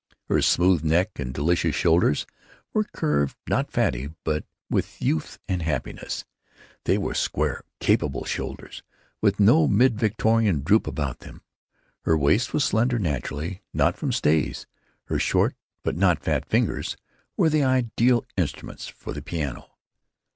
Her smooth neck and delicious shoulders were curved, not fatly, but with youth and happiness. They were square, capable shoulders, with no mid Victorian droop about them. Her waist was slender naturally, not from stays. Her short but not fat fingers were the ideal instruments for the piano.